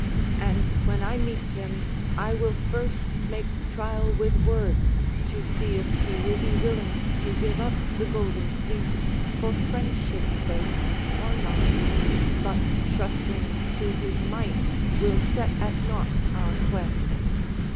And when I meet him I will first make trial with words to see if he will be willing to give up the golden fleece for friendship's sake or not, but trusting to his might will set at nought our quest.